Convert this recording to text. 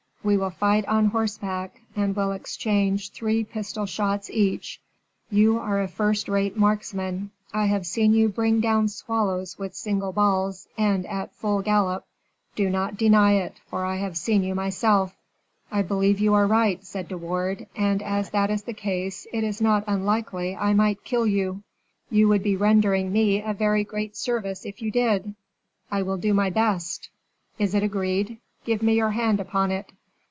"We will fight on horseback, and will exchange three pistol shots each. You are a first rate marksman. I have seen you bring down swallows with single balls, and at full gallop. Do not deny it, for I have seen you myself." "I believe you are right," said De Wardes; "and as that is the case, it is not unlikely I might kill you." "You would be rendering me a very great service, if you did." "I will do my best." "Is it agreed? Give me your hand upon it."